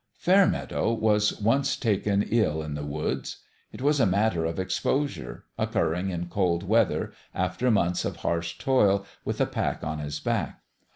Fairmeadow was once taken ill in the woods. It was a matter of exposure occurring in cold weather, after months of harsh toil, with a pack on his back.